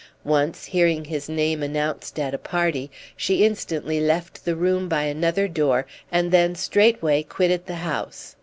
Once, hearing his name announced at a party, she instantly left the room by another door and then straightway quitted the house.